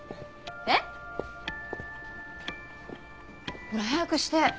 えっ？ほら早くして。